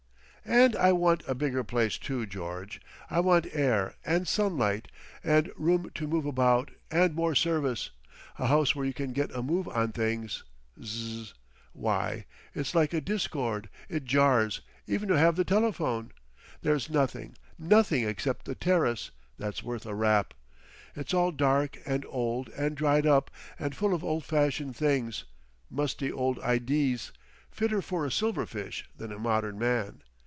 "And I want a bigger place too, George. I want air and sunlight and room to move about and more service. A house where you can get a Move on things! Zzzz. Why! it's like a discord—it jars—even to have the telephone.... There's nothing, nothing except the terrace, that's worth a Rap. It's all dark and old and dried up and full of old fashioned things—musty old idees—fitter for a silver fish than a modern man....